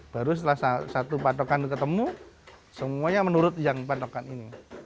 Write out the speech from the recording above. baru setelah satu patokan ketemu semuanya menurut yang patokan ini